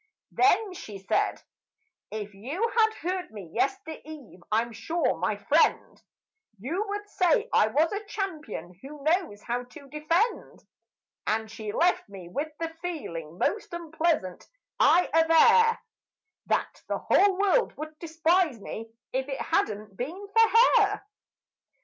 Then she said, "If you had heard me yestereve, I'm sure, my friend, You would say I am a champion who knows how to defend." And she left me with the feeling most unpleasant, I aver That the whole world would despise me if it had not been for her.